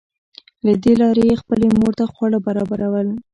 له دې لارې یې خپلې مور ته خواړه برابرول